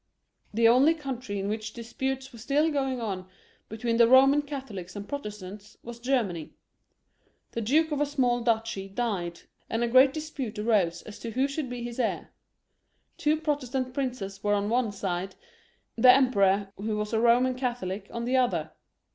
The only country in which disputes were still going on between the Eoman Catholics and Protestants was Germany. The duke of a small duchy died, and a great dispute arose as to who should be his heir ; two Protestant 314 HENR Y IV. [CH. princes were on one side, the Emperor, who was a Boman Catholic, on the other.